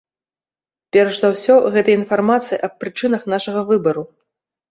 Перш за ўсё, гэта інфармацыя аб прычынах нашага выбару.